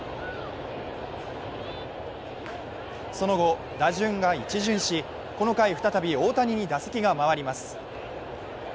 その後、打順が一巡し、この回、再び大谷に打席が回ります。